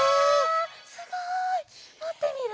すごい！もってみる？